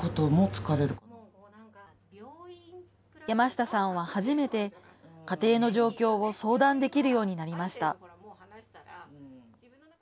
山下さんは初めて家庭の状況を相談できるようになりました。